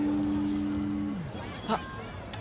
あっ。